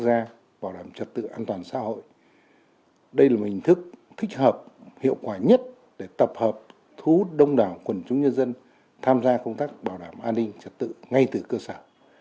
đây là một hình thức thích hợp hiệu quả nhất để tập hợp thú đông đảo quần chúng nhân dân tham gia công tác bảo đảm an ninh trật tự ngay từ cơ sở